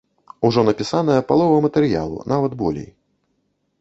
Ужо напісаная палова матэрыялу, нават, болей.